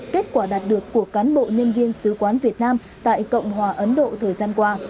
kết quả đạt được của cán bộ nhân viên sứ quán việt nam tại cộng hòa ấn độ thời gian qua